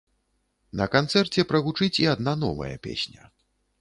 На канцэрце прагучыць і адна новая песня.